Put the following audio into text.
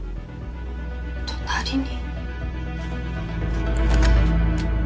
隣に？